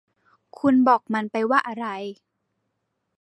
คุณบอกมันไปว่าอะไร